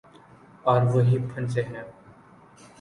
اور وہیں پھنسے ہیں۔